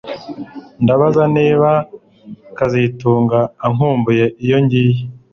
Ndabaza niba kazitunga ankumbuye iyo ngiye